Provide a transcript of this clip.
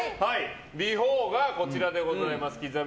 ビフォーがこちらでございます。